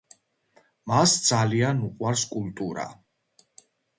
მას ძალიან უყვარს კულტურა.